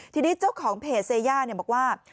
ทีนี้เจ้าของเพจเซย่าบอกว่า